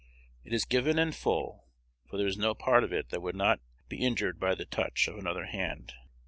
It is given in full; for there is no part of it that would not be injured by the touch of another hand.